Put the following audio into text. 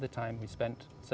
terutama dua tahun pertama